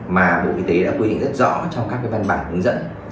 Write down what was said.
mà bộ y tế đã quy định rất rõ trong các văn bản hướng dẫn